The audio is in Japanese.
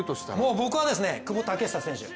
僕はもう、久保建英選手。